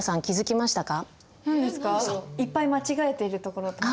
いっぱい間違えているところとか。